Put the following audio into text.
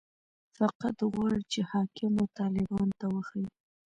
فقط غواړي چې حاکمو طالبانو ته وښيي.